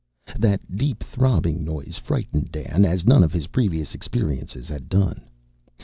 That deep, throbbing noise frightened Dan as none of his previous experiences had done.